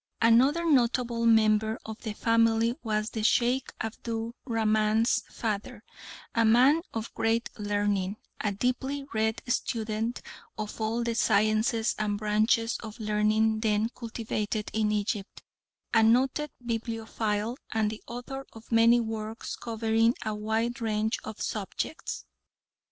Another notable member of the family was the Sheikh Abdu Rahman's father, a man of great learning, a deeply read student of all the sciences and branches of learning then cultivated in Egypt, a noted bibliophile and the author of many works covering a wide range of subjects.